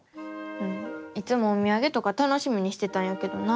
いつもおみやげとか楽しみにしてたんやけどな。